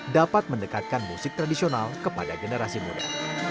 dapat mendekatkan musik tradisional kepada generasi muda